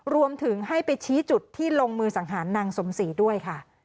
รวมถึงให้ไปชี้จุดที่ลงมือสังหารนางสมศรีด้วยค่ะ